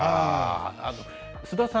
須田さん